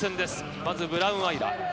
まずブラウン・アイラ。